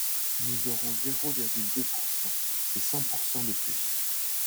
Nous aurons zéro virgule deux pourcent, c’est cent pourcent de plus